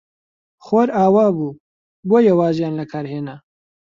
خۆر ئاوا بوو، بۆیە وازیان لە کار هێنا.